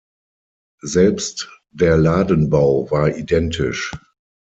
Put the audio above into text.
Selbst der Ladenbau war identisch.